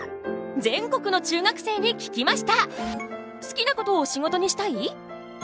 全国の中学生に聞きました！